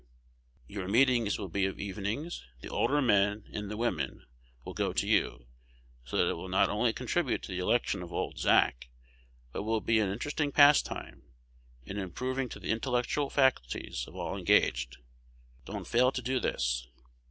Your meetings will be of evenings; the older men, and the women, will go to hear you; so that it will not only contribute to the election of "Old Zack," but will be an interesting pastime, and improving to the intellectual faculties of all engaged. Don't fail to do this.